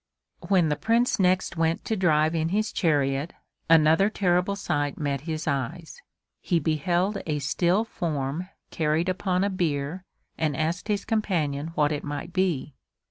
When the Prince next went to drive in his chariot another terrible sight met his eyes. He beheld a still form carried upon a bier and asked his companion what it might be.